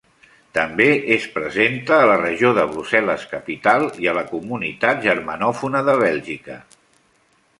També es presenta a la regió de Brussel·les-Capital i a la Comunitat Germanòfona de Bèlgica.